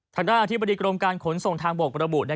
ทางด้านอธิบดีกรมการขนส่งทางบกระบุ